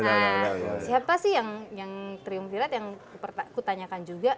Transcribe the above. siapa sih yang triumvirat yang dipertahankan juga